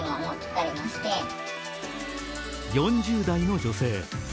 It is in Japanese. ４０代の女性。